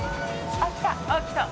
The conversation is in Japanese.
あっ来た。